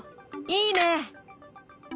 いいね！